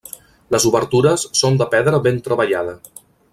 Les obertures són de pedra ben treballada.